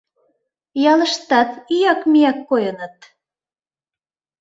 Ялыштат ӱяк-мӱяк койыныт.